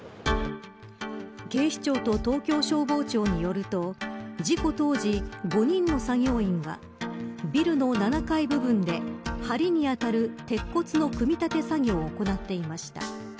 警視庁と東京消防庁によると事故当時５人の作業員がビルの７階部分で梁に当たる鉄骨の組み立て作業を行っていました。